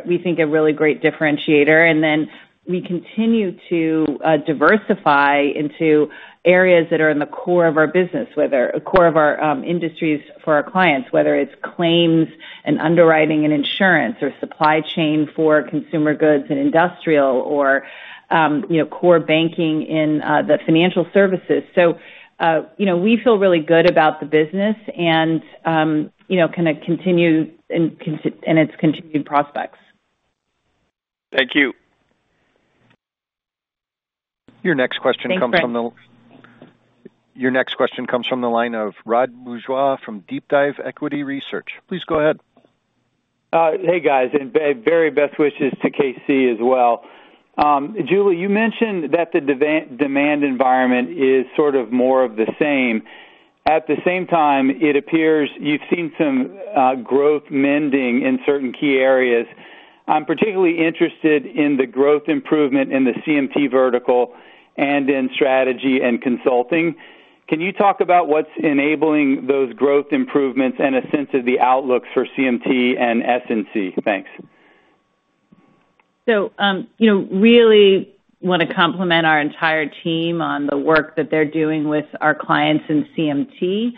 we think, a really great differentiator. We continue to diversify into areas that are in the core of our business, core of our industries for our clients, whether it's claims and underwriting and insurance or supply chain for consumer goods and industrial or core banking in the financial services. So we feel really good about the business and kind of continue in its continued prospects. Thank you. Thank you, guys. Your next question comes from the line of Rod Bourgeois from DeepDive Equity Research. Please go ahead. Hey, guys. And very best wishes to KC as well. Julie, you mentioned that the demand environment is sort of more of the same. At the same time, it appears you've seen some growth momentum in certain key areas. I'm particularly interested in the growth improvement in the CMT vertical and in strategy and consulting. Can you talk about what's enabling those growth improvements and a sense of the outlooks for CMT and S&C? Thanks. So really want to compliment our entire team on the work that they're doing with our clients in CMT.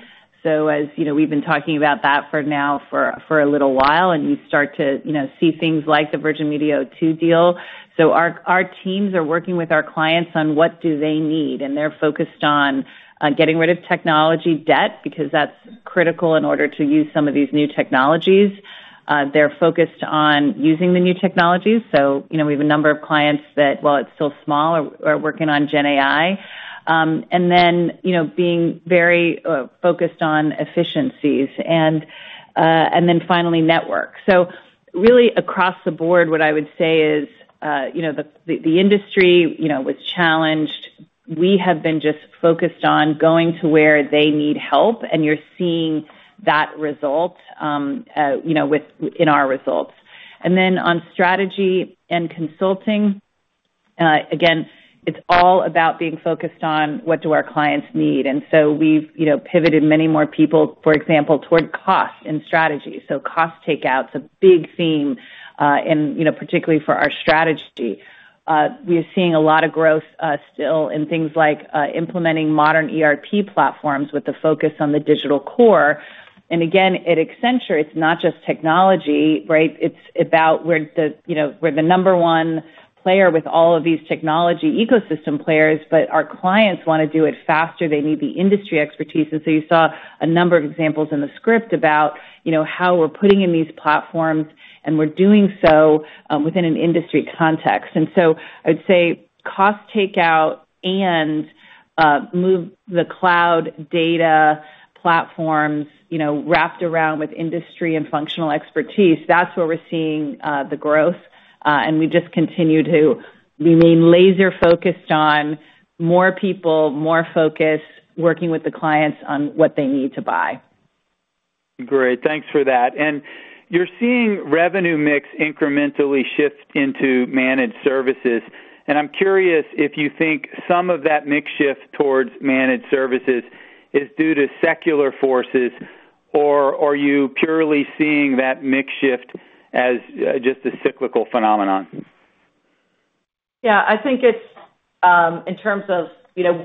So as we've been talking about that for now for a little while, and you start to see things like the Virgin Media O2 deal. So our teams are working with our clients on what do they need. And they're focused on getting rid of technology debt because that's critical in order to use some of these new technologies. They're focused on using the new technologies. So we have a number of clients that, while it's still small, are working on GenAI. And then being very focused on efficiencies. And then finally, network. So really across the board, what I would say is the industry was challenged. We have been just focused on going to where they need help. And you're seeing that result in our results. And then on strategy and consulting, again, it's all about being focused on what do our clients need. And so we've pivoted many more people, for example, toward cost and strategy. So cost takeout's a big theme, particularly for our strategy. We are seeing a lot of growth still in things like implementing modern ERP platforms with the focus on the digital core. And again, at Accenture, it's not just technology, right? It's about where the number one player with all of these technology ecosystem players. But our clients want to do it faster. They need the industry expertise. And so you saw a number of examples in the script about how we're putting in these platforms, and we're doing so within an industry context. And so I'd say cost takeout and move the cloud data platforms wrapped around with industry and functional expertise, that's where we're seeing the growth. We just continue to remain laser-focused on more people, more focus working with the clients on what they need to buy. Great. Thanks for that. You're seeing revenue mix incrementally shift into managed services. I'm curious if you think some of that mix shift towards managed services is due to secular forces, or are you purely seeing that mix shift as just a cyclical phenomenon? Yeah. I think it's in terms of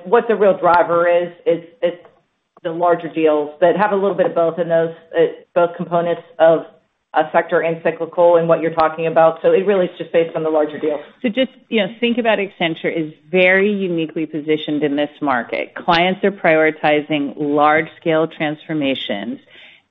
what the real driver is, it's the larger deals that have a little bit of both in those both components of secular and cyclical and what you're talking about. It really is just based on the larger deals. Just think about Accenture as very uniquely positioned in this market. Clients are prioritizing large-scale transformations.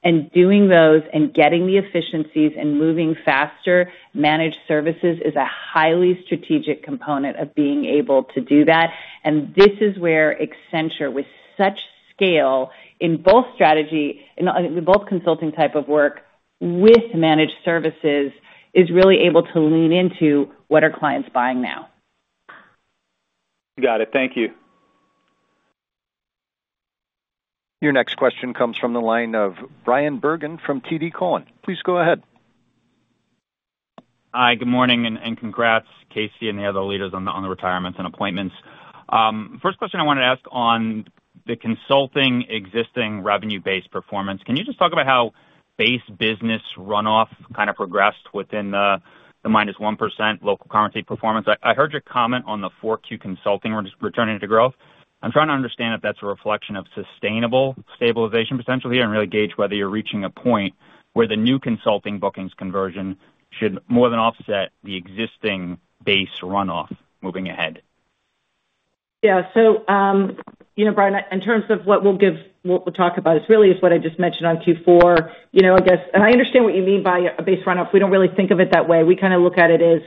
And doing those and getting the efficiencies and moving faster, managed services is a highly strategic component of being able to do that. And this is where Accenture, with such scale in both strategy and both consulting type of work with managed services, is really able to lean into what our clients buying now. Got it. Thank you. Your next question comes from the line of Bryan Bergin from TD Cowen. Please go ahead. Hi. Good morning. And congrats, KC and the other leaders on the retirements and appointments. First question I wanted to ask on the consulting existing revenue-based performance. Can you just talk about how base business runoff kind of progressed within the -1% local currency performance? I heard your comment on the 4Q consulting returning to growth. I'm trying to understand if that's a reflection of sustainable stabilization potential here and really gauge whether you're reaching a point where the new consulting bookings conversion should more than offset the existing base runoff moving ahead. Yeah. So, Brian, in terms of what we'll talk about, it's really what I just mentioned on Q4, I guess. And I understand what you mean by a base runoff. We don't really think of it that way. We kind of look at it as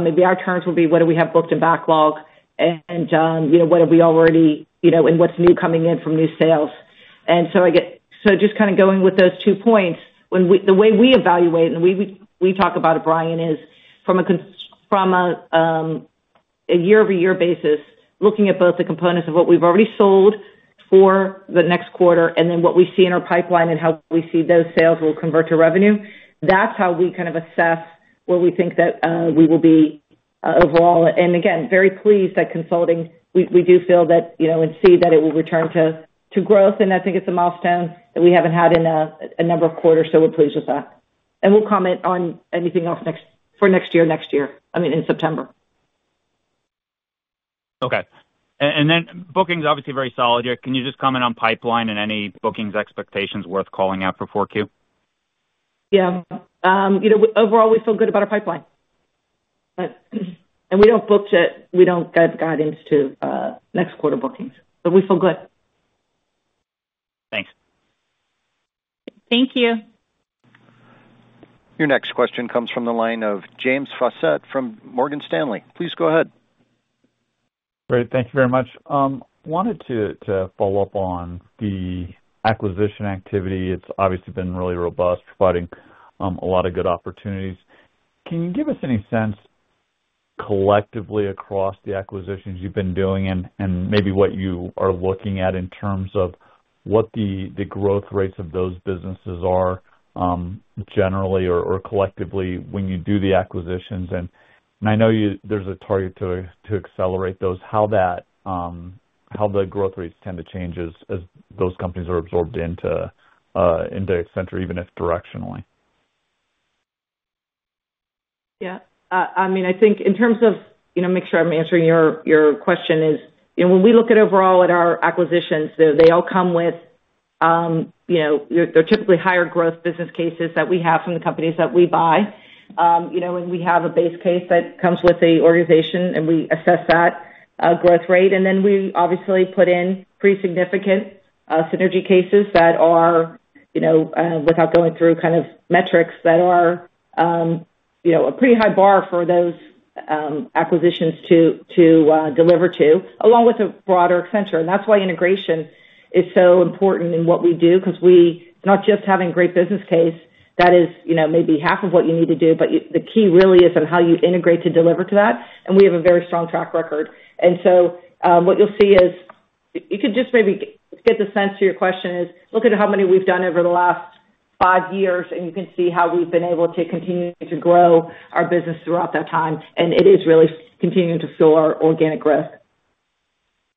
maybe our terms would be, what do we have booked in backlog? And what have we already and what's new coming in from new sales? And so just kind of going with those two points, the way we evaluate and we talk about it, Bryan, is from a year-over-year basis, looking at both the components of what we've already sold for the next quarter and then what we see in our pipeline and how we see those sales will convert to revenue. That's how we kind of assess where we think that we will be overall. And again, very pleased that consulting, we do feel that and see that it will return to growth. And I think it's a milestone that we haven't had in a number of quarters. So we're pleased with that. And we'll comment on anything else for next year, next year, I mean, in September. Okay. And then bookings obviously very solid here. Can you just comment on pipeline and any bookings expectations worth calling out for 4Q? Yeah. Overall, we feel good about our pipeline. We don't book-to-bill. We don't have guidance for next quarter bookings. But we feel good. Thanks. Thank you. Your next question comes from the line of James Faucette from Morgan Stanley. Please go ahead. Great. Thank you very much. Wanted to follow up on the acquisition activity. It's obviously been really robust, providing a lot of good opportunities. Can you give us any sense collectively across the acquisitions you've been doing and maybe what you are looking at in terms of what the growth rates of those businesses are generally or collectively when you do the acquisitions? And I know there's a target to accelerate those. How the growth rates tend to change as those companies are absorbed into Accenture, even if directionally? Yeah. I mean, I think in terms of make sure I'm answering your question is when we look at overall at our acquisitions, they all come with they're typically higher growth business cases that we have from the companies that we buy. And we have a base case that comes with the organization. And we assess that growth rate. And then we obviously put in pretty significant synergy cases that are without going through kind of metrics that are a pretty high bar for those acquisitions to deliver to, along with a broader Accenture. And that's why integration is so important in what we do because it's not just having a great business case that is maybe half of what you need to do. But the key really is on how you integrate to deliver to that. And we have a very strong track record. And so what you'll see is you could just maybe get the sense to your question is look at how many we've done over the last 5 years. And you can see how we've been able to continue to grow our business throughout that time. And it is really continuing to fuel our organic growth.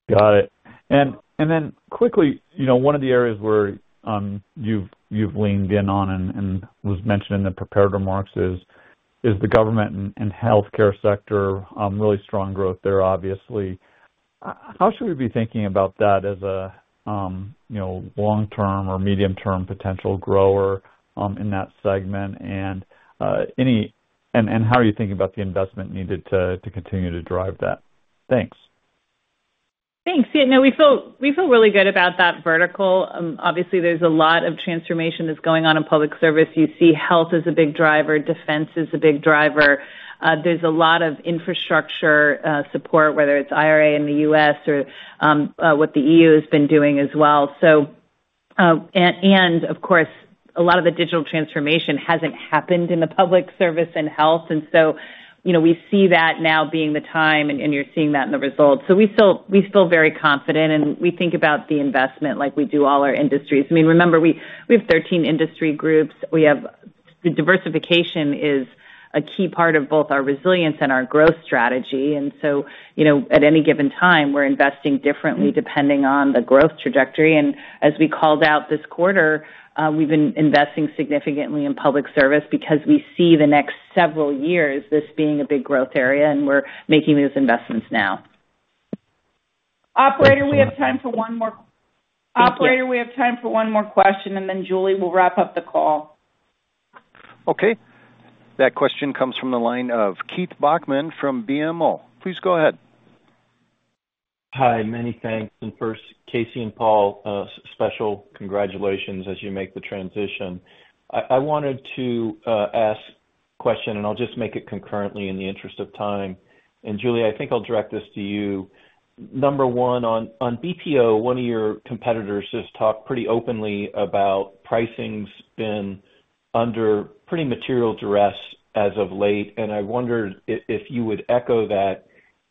Got it. And then quickly, one of the areas where you've leaned in on and was mentioned in the prepared remarks is the government and healthcare sector, really strong growth there, obviously. How should we be thinking about that as a long-term or medium-term potential grower in that segment? And how are you thinking about the investment needed to continue to drive that? Thanks. Thanks. Yeah. No, we feel really good about that vertical. Obviously, there's a lot of transformation that's going on in public service. You see health as a big driver. Defense is a big driver. There's a lot of infrastructure support, whether it's IRA in the U.S. or what the E.U. has been doing as well. And of course, a lot of the digital transformation hasn't happened in the public service and health. And so we see that now being the time and you're seeing that in the results. So we feel very confident. And we think about the investment like we do all our industries. I mean, remember, we have 13 industry groups. Diversification is a key part of both our resilience and our growth strategy. And so at any given time, we're investing differently depending on the growth trajectory. And as we called out this quarter, we've been investing significantly in public service because we see the next several years this being a big growth area. And we're making those investments now. Operator, we have time for one more question. Then Julie will wrap up the call. Okay. That question comes from the line of Keith Bachman from BMO. Please go ahead. Hi. Many thanks. First, KC and Paul, special congratulations as you make the transition. I wanted to ask a question. I'll just make it concurrently in the interest of time. Julie, I think I'll direct this to you. Number one, on BPO, one of your competitors just talked pretty openly about pricing's been under pretty material duress as of late. I wondered if you would echo that.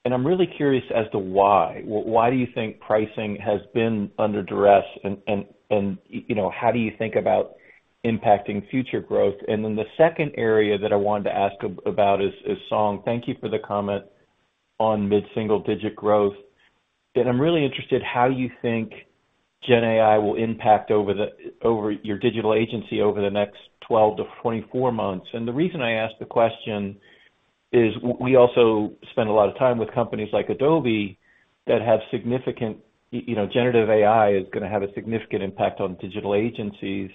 I'm really curious as to why. Why do you think pricing has been under duress? How do you think about impacting future growth? Then the second area that I wanted to ask about is Song. Thank you for the comment on mid-single-digit growth. I'm really interested how you think GenAI will impact your digital agency over the next 12-24 months. The reason I asked the question is we also spend a lot of time with companies like Adobe that have significant generative AI is going to have a significant impact on digital agencies.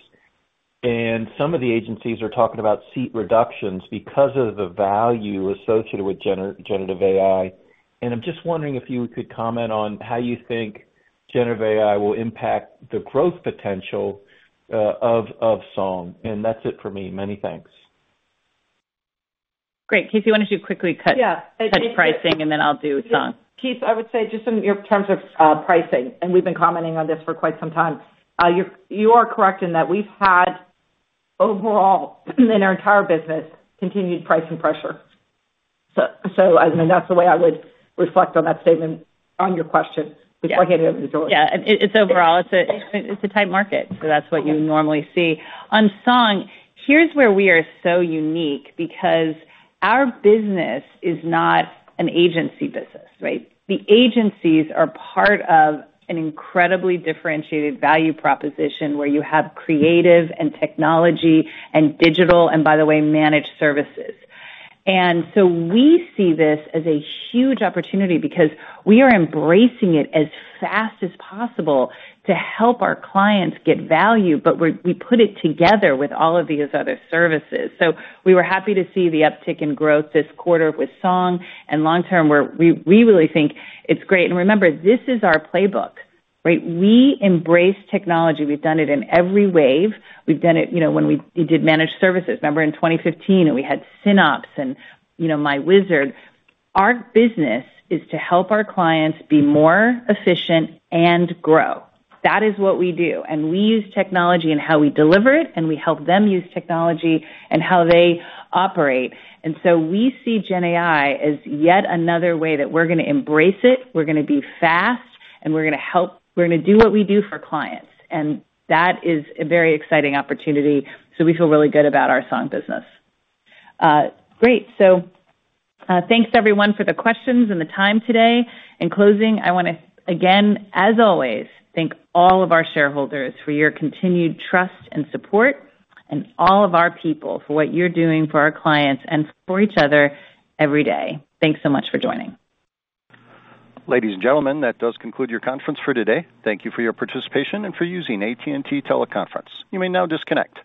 Some of the agencies are talking about seat reductions because of the value associated with generative AI. I'm just wondering if you could comment on how you think generative AI will impact the growth potential of Song. That's it for me. Many thanks. Great. KC, why don't you quickly cut pricing then I'll do Song? Keith, I would say just in terms of pricing, and we've been commenting on this for quite some time, you are correct in that we've had overall in our entire business continued pricing pressure. So I mean, that's the way I would reflect on that statement on your question before I hand it over to Julie. Yeah. It's overall. It's a tight market. So that's what you normally see. On Song, here's where we are so unique because our business is not an agency business, right? The agencies are part of an incredibly differentiated value proposition where you have creative and technology and digital, and by the way, managed services. And so we see this as a huge opportunity because we are embracing it as fast as possible to help our clients get value. But we put it together with all of these other services. So we were happy to see the uptick in growth this quarter with Song. Long-term, we really think it's great. Remember, this is our playbook, right? We embrace technology. We've done it in every wave. We've done it when we did managed services. Remember in 2015, we had SynOps and myWizard. Our business is to help our clients be more efficient and grow. That is what we do. We use technology and how we deliver it. We help them use technology and how they operate. So we see GenAI as yet another way that we're going to embrace it. We're going to be fast. We're going to help. We're going to do what we do for clients. That is a very exciting opportunity. So we feel really good about our Song business. Great. So thanks, everyone, for the questions and the time today. In closing, I want to, again, as always, thank all of our shareholders for your continued trust and support and all of our people for what you're doing for our clients and for each other every day. Thanks so much for joining. Ladies and gentlemen, that does conclude your conference for today. Thank you for your participation and for using AT&T Teleconference. You may now disconnect.